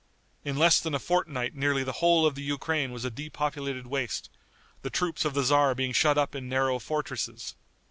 In less than a fortnight nearly the whole of the Ukraine was a depopulated waste, the troops of the tzar being shut up in narrow fortresses.